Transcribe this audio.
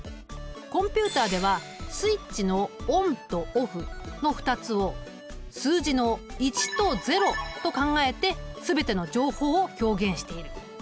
コンピュータではスイッチのＯＮとＯＦＦの２つを数字の１と０と考えて全ての情報を表現している。